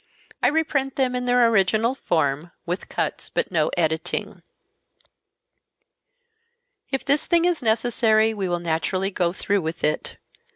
I reprint them in their original form with cuts but no editing. "If this thing is necessary we will naturally go through with it.